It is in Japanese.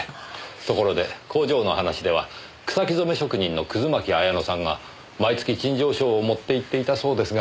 ところで工場の話では草木染め職人の葛巻彩乃さんが毎月陳情書を持っていっていたそうですが。